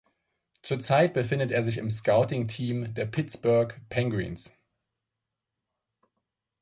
Zurzeit befindet er sich im Scouting-Team der Pittsburgh Penguins.